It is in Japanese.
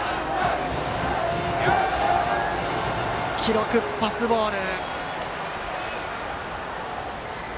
記録はパスボール。